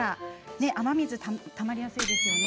雨水がたまりやすいですよね。